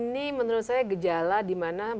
ini menurut saya gejala dimana